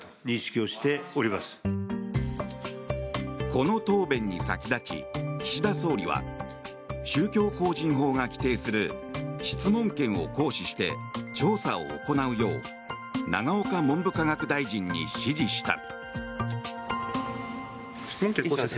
この答弁に先立ち岸田総理は宗教法人法が規定する質問権を行使して調査を行うよう永岡文部科学大臣に指示した。